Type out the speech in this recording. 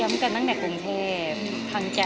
อเรนนี่ว่าพูดข่าวหรือพูดมาอะไร